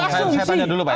saya tanya dulu pak